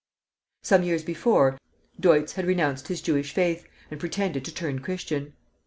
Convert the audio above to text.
Some years before, Deutz had renounced his Jewish faith and pretended to turn Christian.